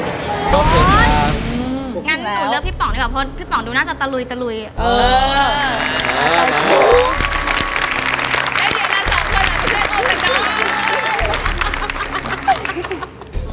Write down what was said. ให้เจ๊นาปรอมาเดินทางตะลุ